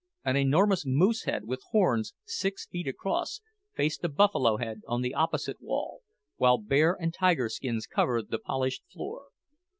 An enormous moose head, with horns six feet across, faced a buffalo head on the opposite wall, while bear and tiger skins covered the polished floor.